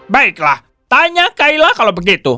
baiklah tanya kaila kalau begitu